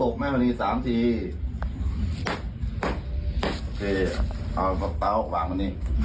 น่าจะดีขึ้น